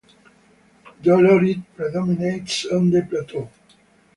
Dolerite predominates on the plateau.